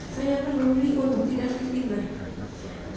saya akan berhubung untuk tidak difikmah